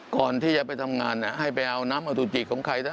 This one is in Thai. ก่อนที่จะไปทำงานให้ไปเอาน้ำอสุจิของใคร